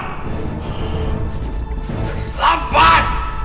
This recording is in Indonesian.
untuk mengagalkan tabatnya